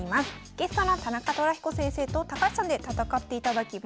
ゲストの田中寅彦先生と高橋さんで戦っていただきます。